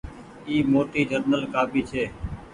اي موٽي جنرل ڪآپي ڇي۔